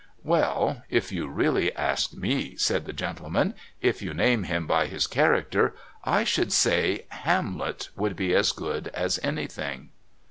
"Well, if you really ask me," said that gentleman, "if you name him by his character I should say Hamlet would be as good as anything."